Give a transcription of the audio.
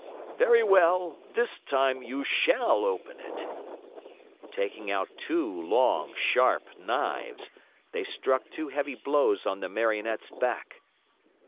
Very well, this time you shall open it." Taking out two long, sharp knives, they struck two heavy blows on the Marionette's back.